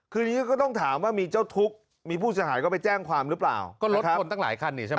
คือนี้ก็ต้องถามว่ามีเจ้าทุกข์มีผู้ชายก็ไปแจ้งความหรือเปล่า